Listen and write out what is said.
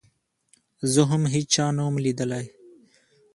زه هم هېچا نه وم ليدلى.